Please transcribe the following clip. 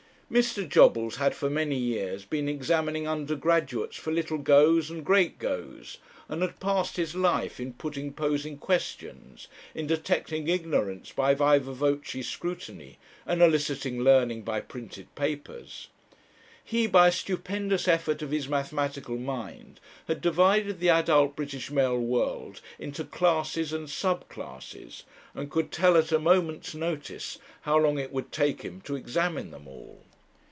Mr. Jobbles had for many years been examining undergraduates for little goes and great goes, and had passed his life in putting posing questions, in detecting ignorance by viva voce scrutiny, and eliciting learning by printed papers. He, by a stupendous effort of his mathematical mind, had divided the adult British male world into classes and sub classes, and could tell at a moment's notice how long it would take him to examine them all.